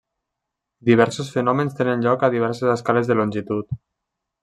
Diversos fenòmens tenen lloc a diverses escales de longitud.